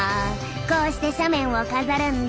こうして斜面を飾るんだ」。